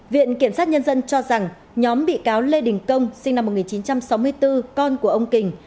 viện kiểm sát nhân dân cho rằng nhóm bị cáo lê đình công sinh năm một nghìn chín trăm sáu mươi bốn con của ông kình